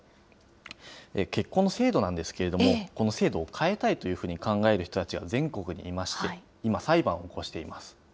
結婚の制度なんですけれども、この制度を変えたいというふうに考える人たちは全国にいまして、今、裁判を起こしています。